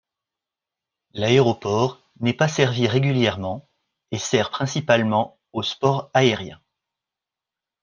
L'aéroport n'est pas servi régulièrement et sert principalement au sport aérien.